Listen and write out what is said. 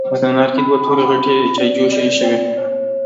په تناره کې دوه تورې غټې چايجوشې ايښې وې.